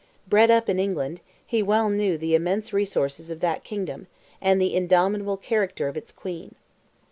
Bred up in England, he well knew the immense resources of that kingdom, and the indomitable character of its queen.